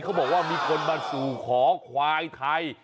เขาบอกว่ามีคนมาสู่ขอควายไทย